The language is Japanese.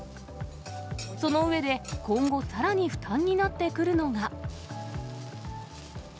その上で、今後さらに負担になってくるのが。